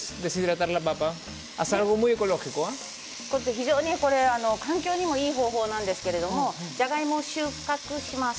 非常に環境にもいい方法なんですけれどもじゃがいもを収穫します。